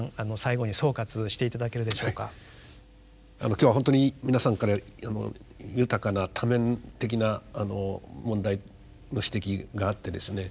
今日はほんとに皆さんから豊かな多面的な問題の指摘があってですね